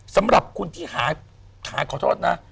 สำหรับคุณที่หาขอโทษนะ